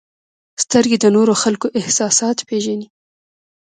• سترګې د نورو خلکو احساسات پېژني.